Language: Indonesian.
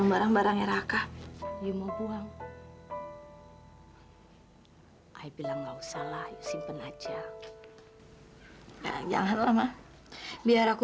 sampai jumpa di video selanjutnya